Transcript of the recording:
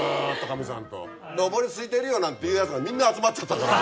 「上りすいてるよ」なんていうヤツがみんな集まっちゃったから。